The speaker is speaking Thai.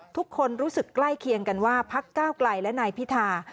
ทุกคนรู้สึกใกล้เคียงกันว่าพักก้าวไกลและนายพิธา